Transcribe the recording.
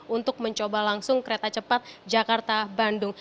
untuk mencoba langsung kereta cepat jakarta bandung